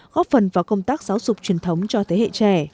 góp phần vào công tác giáo dục truyền thống cho thế hệ trẻ